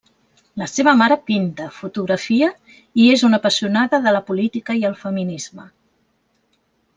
La seva mare pinta, fotografia i és una apassionada de la política i el feminisme.